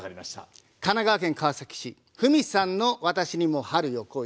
神奈川県川崎市、芙美さんの私にも「春よ、来い！」。